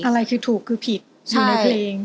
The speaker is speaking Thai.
อะไรคือถูกคือผิดอยู่ในเพลง